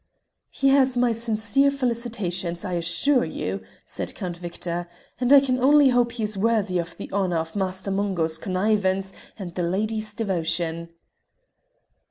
"He has my sincere felicitations, I assure you," said Count Victor, "and I can only hope he is worthy of the honour of Master Mungo's connivance and the lady's devotion."